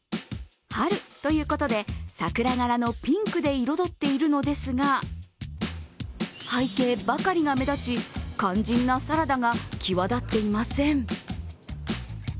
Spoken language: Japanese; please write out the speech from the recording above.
春ということで、桜柄のピンクで彩っているのですが、背景ばかりが目立ち肝心なサラダが際立っていません。